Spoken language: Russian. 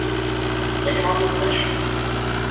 Я не могу иначе!